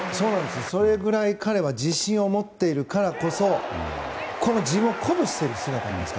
それぐらい彼は自信を持っているからこそこの自分を鼓舞している姿が。